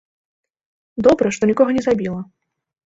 Добра, што нікога не забіла!